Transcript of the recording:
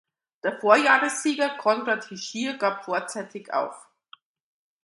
Der Vorjahressieger Konrad Hischier gab vorzeitig auf.